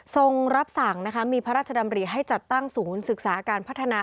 ส่งรับสั่งนะคะมีพระราชดำริให้จัดตั้งศูนย์ศึกษาการพัฒนา